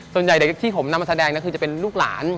ส่วนใหญ่เด็กที่ผมนำมาแสดงคือจะเป็นลูกหลาน